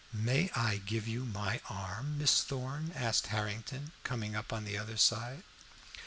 "May I give you my arm, Miss Thorn?" asked Harrington, coming up on the other side.